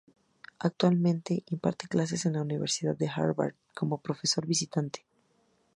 Actualmente imparte clases en la Universidad de Harvard como profesor visitante.